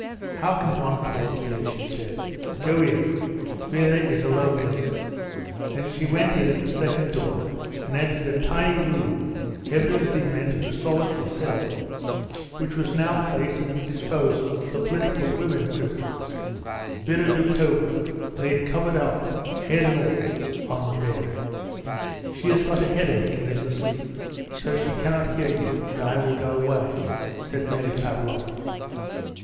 "How can one talk here?" she said; "go in, Vera is alone there," and she went in at the second door, and entered a tiny room, evidently meant for a solitary cell, which was now placed at the disposal of the political women prisoners, Vera Doukhova lay covered up, head and all, on the bed. "She has got a headache, and is asleep, so she cannot hear you, and I will go away," said Mary Pavlovna.